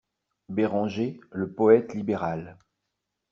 Béranger, le poète libéral.